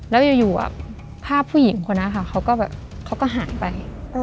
แล้วยังอยู่อะภาพผู้หญิงคนนั้นค่ะเขาก็หายไป